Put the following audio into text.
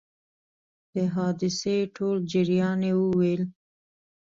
د حادثې ټول جریان یې وویل.